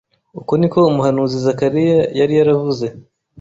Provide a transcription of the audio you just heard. Uko niko umuhanuzi Zakariya yari yaravuze